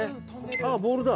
あっボールだ。